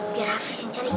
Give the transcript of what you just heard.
biar hafiz yang cari